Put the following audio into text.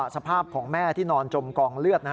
สภาพของแม่ที่นอนจมกองเลือด